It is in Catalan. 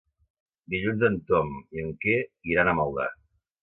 Dilluns en Tom i en Quer iran a Maldà.